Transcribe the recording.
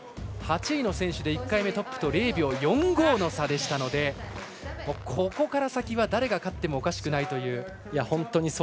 ８位の選手で１回目トップと０秒４５の差でしたのでここから先は誰が勝ってもおかしくないという。